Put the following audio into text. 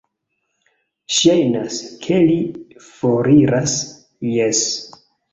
Ŝajnas, ke li foriras... jes.